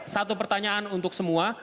satu pertanyaan untuk semua